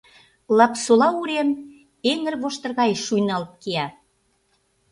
Лапсола урем эҥырвоштыр гай шуйналт кия.